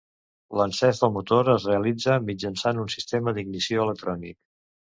L'encès del motor es realitza mitjançant un sistema d'ignició electrònic.